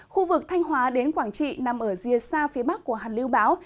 khu vực thanh hóa đến quảng trị nằm ở rìa xa phía bắc của hàn lưu báo